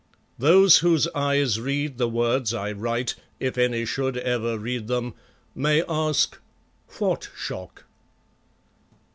Those whose eyes read the words I write, if any should ever read them, may ask What shock?